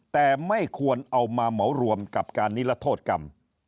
แต่ไม่ควรเอามาเหมารวมกับการนิรโทษกรรม